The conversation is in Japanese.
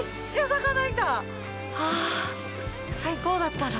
はあ、最高だったな。